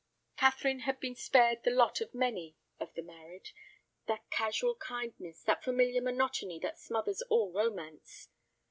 Catherine had been spared the lot of many of the married, that casual kindness, that familiar monotony that smothers all romance.